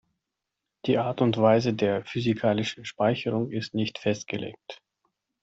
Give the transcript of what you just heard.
Die Art und Weise der physikalischen Speicherung ist nicht festgelegt.